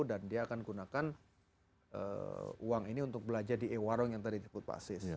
dan dia akan menggunakan uang ini untuk belajar di ewarong yang tadi disebut pak sis